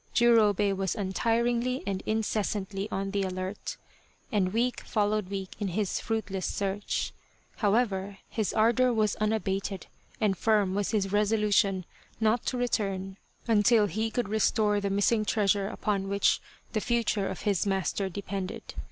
Jurobei was untiringly and incessantly on the alert, and week followed week in his fruitless search ; however, his ardour was unabated, and firm was his resolution not to return until he could restore the missing treasure upon which the future of his master depended.